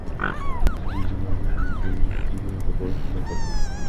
তিনি এডিনবরা বিশ্ববিদ্যালয় থেকে পশুচিকিৎসাবিদ্যায় পড়াশোনা করেন।